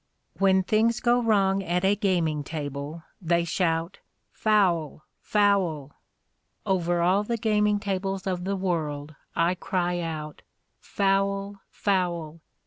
When things go wrong at a gaming table, they shout "Foul! foul!" Over all the gaming tables of the world I cry out "Foul! foul!